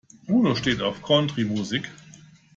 Bruno steht auf Country-Musik.